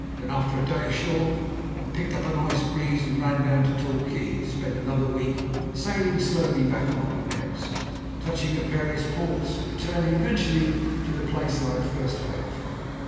Then, after a day ashore, I picked up a nice breeze and ran down to Torquay to spend another week, sailing slowly back along the coast, touching at various ports, and returning eventually to the place I had first hailed from.